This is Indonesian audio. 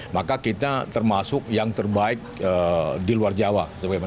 maka kita termasuk yang terbaik di luar jawa